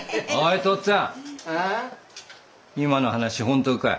今の話本当かい？